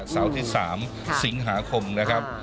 เสาร์ที่๓สิงหาคมนะครับ